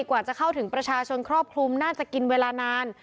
กว่าจะเข้าถึงประชาชนครอบคลุมน่าจะกินเวลานาน